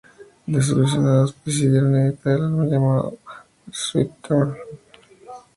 Desilusionados, decidieron editar un álbum llamado "When the Sweet Turns Sour" tras separarse.